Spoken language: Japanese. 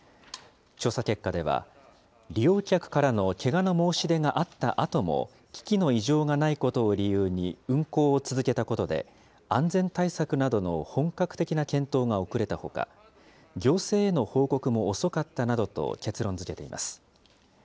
調査結果では、利用客からのけがの申し出があったあとも、機器の異常がないことを理由に運行を続けたことで、安全対策などの本格的な検討が遅れたほか、行政への報告も遅かったなどと結論づけています。